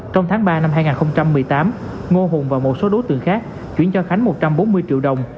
trong tháng ba năm hai nghìn một mươi tám ngô hùng và một số đối tượng khác chuyển cho khánh một trăm bốn mươi triệu đồng